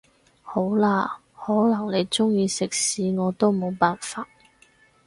好啦，可能你鍾意食屎我都冇辦法